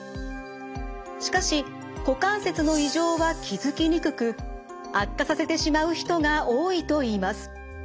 しかし股関節の異常は気付きにくく悪化させてしまう人が多いといいます。